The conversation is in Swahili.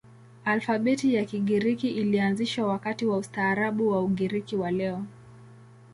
Alfabeti ya Kigiriki ilianzishwa wakati wa ustaarabu wa Ugiriki wa leo.